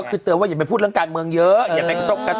ก็คือเตือนว่าอย่าไปพูดเรื่องการเมืองเยอะ